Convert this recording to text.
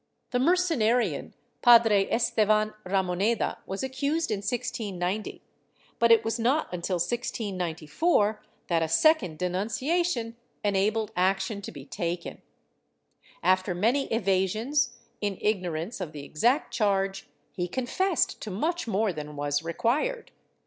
The Mercenarian Padre Estevan Ramoneda was accused in 1690, but it was not until 1694 that a second denunciation enabled action to be taken. After many evasions, in ignorance of the exact charge, he confessed to much more than was required.